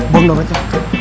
bung dong aja